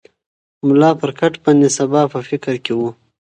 ملا پر کټ باندې د سبا په فکر کې و.